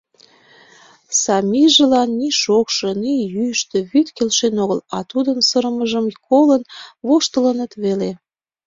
Самижылан ни шокшо, ни йӱштӧ вӱд келшен огыл, а тудын сырымыжым колын, воштылыныт веле.